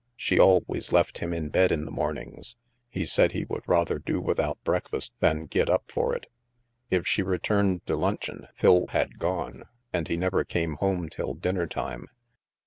She always left him in bed in the mornings; he said he would rather do without breakfast than get up for it. If she returned to luncheon, Phil had gone, and he never came home till dinner time.